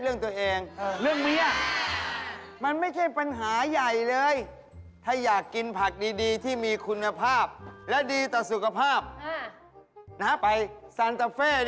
เออใช่วันก่อนเป็กก็เพิ่งไปมา